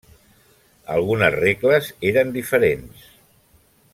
Algunes regles eren diferents.